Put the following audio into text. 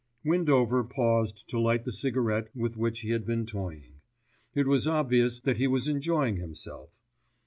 Windover paused to light the cigarette with which he had been toying. It was obvious that he was enjoying himself.